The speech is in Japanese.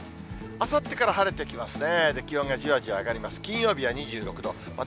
あさってから晴れてきますね。